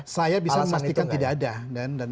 saya bisa memastikan tidak ada